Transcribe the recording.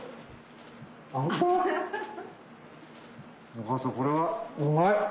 お母さんこれはうまい。